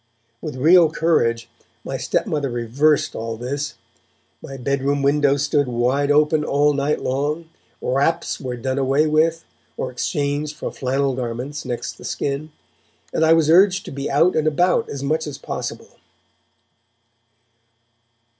With real courage my stepmother reversed all this. My bedroom window stood wide open all night long, wraps were done away with, or exchanged for flannel garments next the skin, and I was urged to be out and about as much as possible.